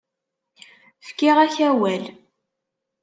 Fkiɣ-ak awal.